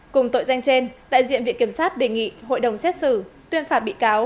cùng tội danh trên đại diện viện kiểm sát đề nghị hội đồng xét xử tuyên phạt bị cáo